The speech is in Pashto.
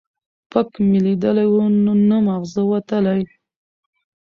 ـ پک مې ليدلى وو، نه معاغزه وتلى.